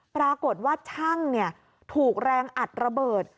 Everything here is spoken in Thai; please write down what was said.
ปรากฏว่าช่างถูกแรงอัดระเบิด